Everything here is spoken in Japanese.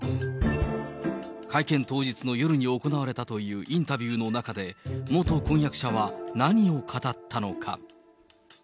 会見当日の夜に行われたというインタビューの中で、元婚約者は何を語ったのか。